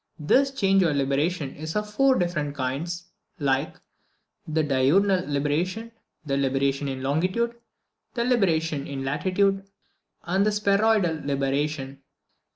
This change or libration is of four different kinds, viz. the diurnal libration, the libration in longitude, the libration in latitude, and the spheroidal libration.